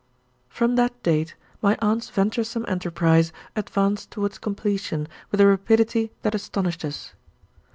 From that date, my aunt's venturesome enterprise advanced towards completion with a rapidity that astonished us.